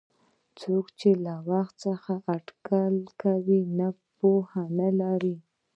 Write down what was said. څوک چې له وخته اټکل کوي پوهه نه لري.